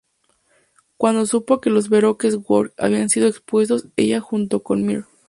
Cuando supo que los Baroque Works habían sido expuestos; ella, junto con Mr.